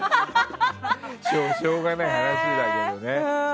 しょうがない話だけどね。